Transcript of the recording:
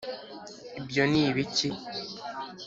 ibyo ni ibiki